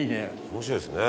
「面白いですね。